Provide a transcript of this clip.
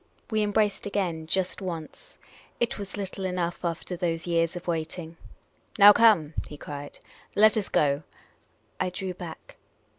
We embraced again, just once. It was little enough after those years of waiting. " Now come !" he cried. " L,et us go." I drew back.